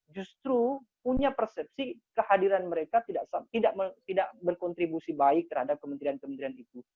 justru punya persepsi kehadiran mereka tidak berkontribusi baik terhadap kementerian kementerian itu